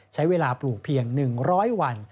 ใช้เวลาปลูกเพียง๑๐๐วัน